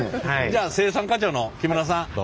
じゃあ生産課長の木村さん。